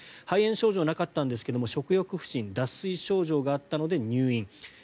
肺炎症状はなかったんですが食欲不振、脱水症状があったので入院。